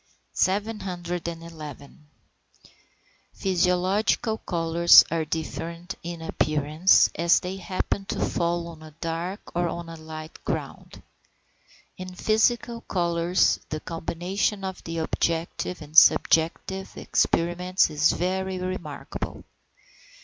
711. Physiological colours are different in appearance as they happen to fall on a dark or on a light ground. In physical colours the combination of the objective and subjective experiments is very remarkable.